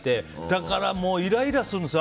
だから、イライラするんです